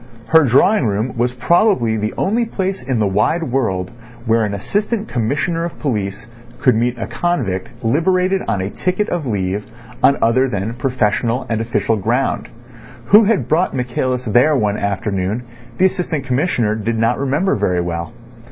Her drawing room was probably the only place in the wide world where an Assistant Commissioner of Police could meet a convict liberated on a ticket of leave on other than professional and official ground. Who had brought Michaelis there one afternoon the Assistant Commissioner did not remember very well.